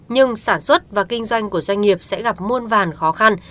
nhưng sản xuất và kinh doanh của doanh nghiệp sẽ gặp muôn vàn khó khăn